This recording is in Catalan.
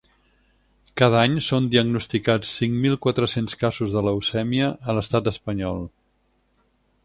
Cada any són diagnosticats cinc mil quatre-cents casos de leucèmia a l’estat espanyol.